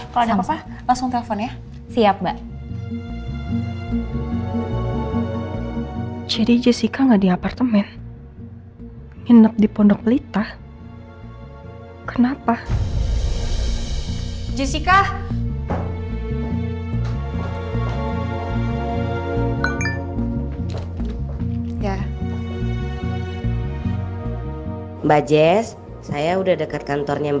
kamu kenapa sih nginep di pondok lita